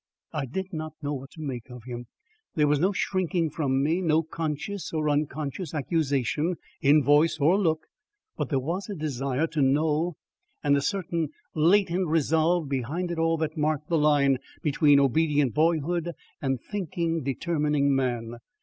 I did not know what to make of him. There was no shrinking from me; no conscious or unconscious accusation in voice or look, but there was a desire to know, and a certain latent resolve behind it all that marked the line between obedient boyhood and thinking, determining man.